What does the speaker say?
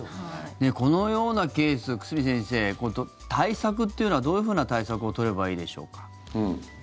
このようなケース久住先生、対策っていうのはどういうふうな対策を取ればいいでしょうか。